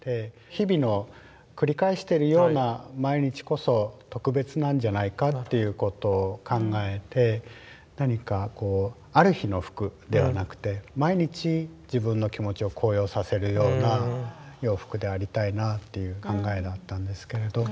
日々の繰り返してるような毎日こそ特別なんじゃないかっていうことを考えて何か「ある日の服」ではなくて毎日自分の気持ちを高揚させるような洋服でありたいなという考えだったんですけれど。